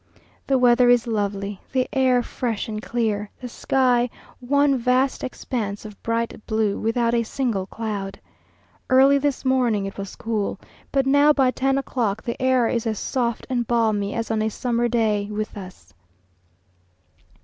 The weather is lovely, the air fresh and clear, the sky one vast expanse of bright blue, without a single cloud. Early this morning it was cool, but now, by ten o'clock, the air is as soft and balmy as on a summer day with us.